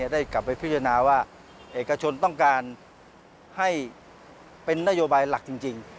ได้กลับไปพิจารณาว่าเอกชนต้องการให้เป็นนโยบายหลักจริง